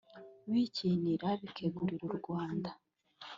bikiyinira bikegukira u Rwanda